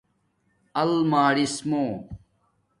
الیمارس مُو